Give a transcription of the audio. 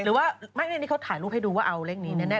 หรือว่าไม่นี่เขาถ่ายรูปให้ดูว่าเอาเลขนี้แน่